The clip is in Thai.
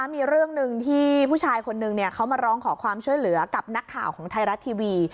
มีเรื่องหนึ่งที่ผู้ชายคนนึงเขามาร้องขอความช่วยเหลือกับนักข่าวของไทยรัฐทีวี